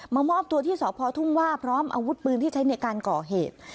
มอบตัวที่สพทุ่งว่าพร้อมอาวุธปืนที่ใช้ในการก่อเหตุ